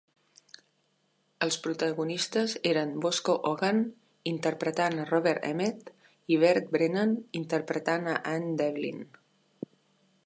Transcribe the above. Els protagonistes eren Bosco Hogan, interpretant a Robert Emmet, i Brid Brennan interpretant a Anne Devlin.